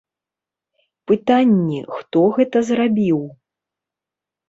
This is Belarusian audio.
Пытанні, хто гэта зрабіў.